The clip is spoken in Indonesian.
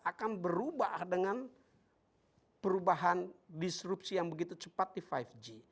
akan berubah dengan perubahan disrupsi yang begitu cepat di lima g